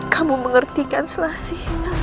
kamu mengertikan selasi